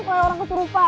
kalo orang kesurupan